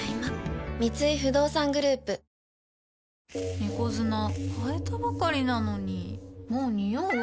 猫砂替えたばかりなのにもうニオう？